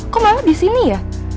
kok malah di sini ya